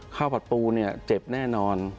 ผัดปูเนี่ยเจ็บแน่นอน